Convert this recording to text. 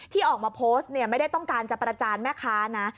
ที่ออกมาโพสต์เนี่ยไม่ได้ต้องการจะประจานแม่ค้านะ